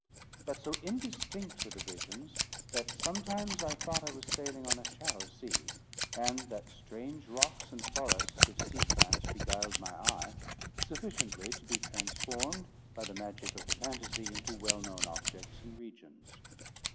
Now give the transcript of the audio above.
But so indistinct were the visions, that sometimes I thought I was sailing on a shallow sea, and that strange rocks and forests of sea plants beguiled my eye, sufficiently to be transformed, by the magic of the phantasy, into well known objects and regions.